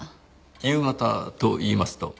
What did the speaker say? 夕方といいますと？